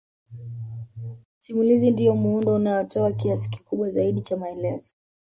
Simulizi ndiyo muundo unaotoa kiasi kikubwa zaidi cha maelezo